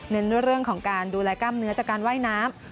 เรื่องของการดูแลกล้ามเนื้อจากการว่ายน้ำ